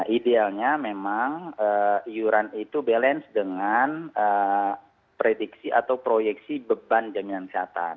idealnya memang iuran itu balance dengan prediksi atau proyeksi beban jaminan kesehatan